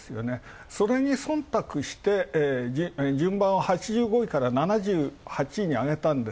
それに忖度して順番を８５位から７８位にあげたと。